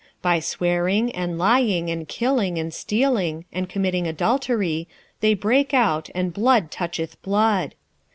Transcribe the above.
4:2 By swearing, and lying, and killing, and stealing, and committing adultery, they break out, and blood toucheth blood.